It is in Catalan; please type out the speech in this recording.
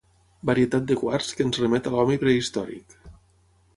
Varietat de quars que ens remet a l'home prehistòric.